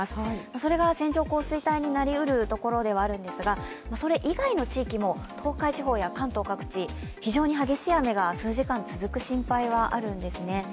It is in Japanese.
それが線状降水帯になりうるところではあるんですがそれ以外の地域も東海地方や、関東各地、非常に激しい雨が数時間続く心配があるんですね。